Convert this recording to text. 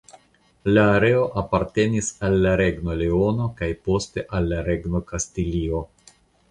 La areo apartenis al la Regno Leono kaj poste al la Regno Kastilio.